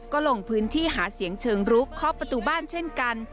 ก็ลงพื้นที่หาเสียงเชิงรุกเคาะประตูบ้านเช่นกัน